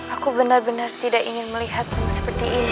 aku benar benar tidak ingin melihatmu seperti ini